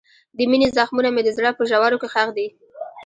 د مینې زخمونه مې د زړه په ژورو کې ښخ دي.